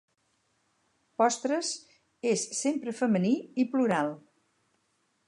"Postres" és sempre femení i plural